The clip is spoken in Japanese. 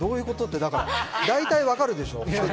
大体わかるでしょ？